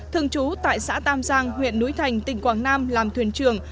thường trú tại xã tam giang huyện núi thành tỉnh quảng nam làm thuyền trường